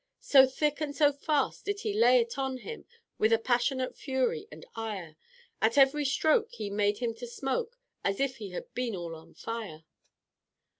"So thick and so fast did he lay it on him, With a passionate fury and ire, At every stroke he made him to smoke, As if he had been all on fire."